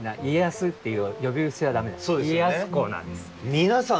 皆さん